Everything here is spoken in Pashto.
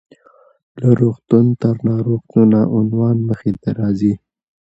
له روغتون تر ناروغتونه: عنوان مخې ته راځي .